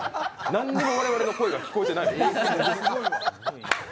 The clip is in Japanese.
何にも我々の声が聞こえていない。